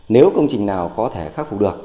nếu công trình nào có thể khắc phục được